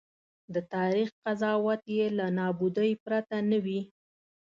د تاریخ قضاوت یې له نابودۍ پرته نه وي.